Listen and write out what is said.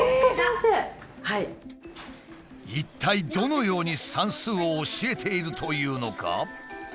一体どのように算数を教えているというのか？